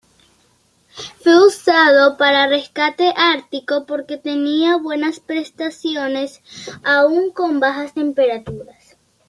Fue usado para rescate Ártico porque tenía buenas prestaciones aún con bajas temperaturas.